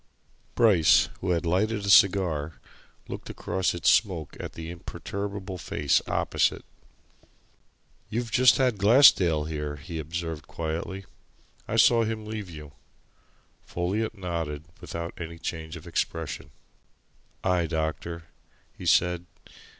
Bryce, who had lighted a cigar, looked across its smoke at the imperturbable face opposite. "You've just had Glassdale here," he observed quietly. "I saw him leave you." Folliot nodded without any change of expression. "Aye, doctor," he said.